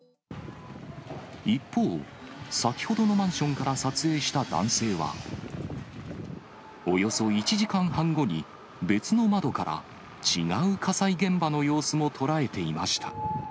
一方、先ほどのマンションから撮影した男性は、およそ１時間半後に、別の窓から違う火災現場の様子も捉えていました。